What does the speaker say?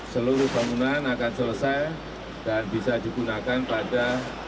seluruh bangunan akan selesai dan bisa digunakan pada